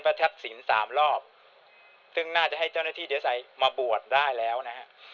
ทักศิลป์สามรอบซึ่งน่าจะให้เจ้าหน้าที่เดสัยมาบวชได้แล้วนะฮะ